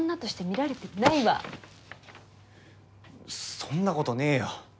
そんな事ねえよ。